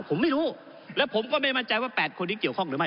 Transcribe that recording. ผมไม่รู้และผมก็ไม่มั่นใจว่า๘คนนี้เกี่ยวข้องหรือไม่